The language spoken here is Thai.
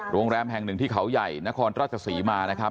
โรงแรมแห่งหนึ่งที่เขาใหญ่นครราชศรีมานะครับ